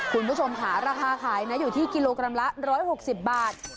คุณผู้ชมค่ะราคาขายนะอยู่ที่กิโลกรัมละ๑๖๐บาท